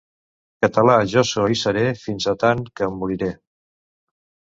Català jo so i seré, fins a tant que em moriré.